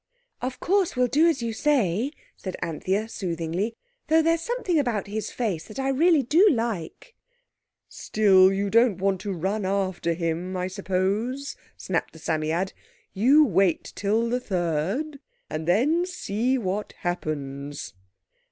"Of course we'll do as you say," said Anthea soothingly, "though there's something about his face that I really do like." "Still, you don't want to run after him, I suppose," snapped the Psammead. "You wait till the 3rd, and then see what happens."